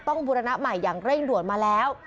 บูรณะใหม่อย่างเร่งด่วนมาแล้ว